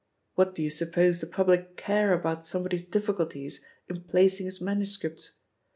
What do you suppose the public care about somebody's difficulties in placing hia manuscripts?